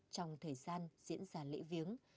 trong thời gian diễn ra lễ viếng